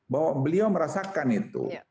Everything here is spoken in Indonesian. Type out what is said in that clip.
bahwa beliau merasakan itu